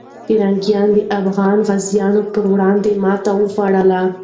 پرنګیان د افغان غازیو پر وړاندې ماتې وخوړله.